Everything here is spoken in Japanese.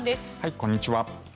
こんにちは。